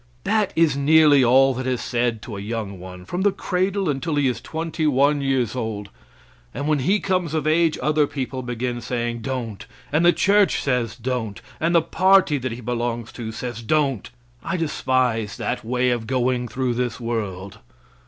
That is nearly all that is said to a young one from the cradle until he is twenty one years old, and when he comes of age other people begin saying "Don't!" And the church says "Don't!" And the party that he belongs to says "Don't!" I despise that way of going through this world.